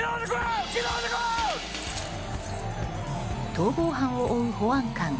逃亡犯を追う保安官。